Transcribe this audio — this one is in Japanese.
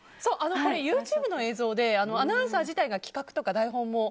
これ、ＹｏｕＴｕｂｅの映像でアナウンサー自体が企画とか台本も。